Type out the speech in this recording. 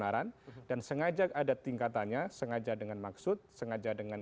apakah yang bersangkutan mengetahui dan menghendaki untuk membuat sebuah dakwaan